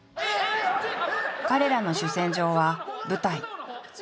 彼らの主戦場は舞台。